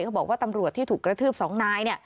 เขาบอกว่าตำรวจที่ถูกกระทืบ๒นาย